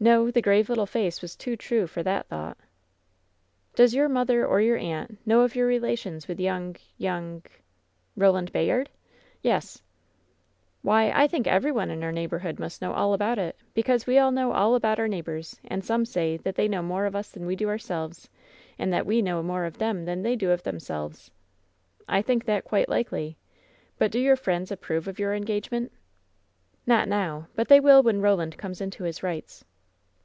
No; the grave little face was too true for that thought* "Does your mother or your aunt know of your rela tions with young — young ^" "Roland Bayard?" "Yes." "Why, I think every one in our neighborhood must know all about it! Because we all know all about our neighbors, and some say that they know more of us than we do of ourselves, and that we know more of them than they do of themselves." "I think that quite likely. But, do your friends ap prove of your engagement?" "Not now; but they will when Roland comes into his rights."